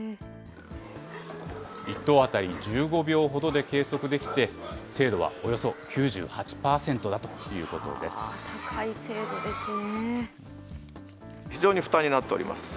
１頭当たり１５秒ほどで計測できて、精度はおよそ９８％だという高い精度ですね。